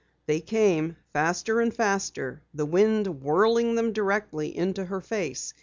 They came faster and faster, the wind whirling them directly into her face.